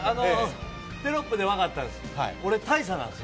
テロップで分かったんです。